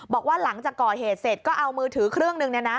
บอกว่าหลังจากก่อเหตุเสร็จก็เอามือถือเครื่องหนึ่ง